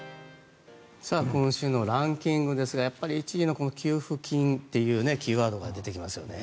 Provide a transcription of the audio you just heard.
今週のランキングですがやっぱり１位の給付金というキーワードが出てきますね。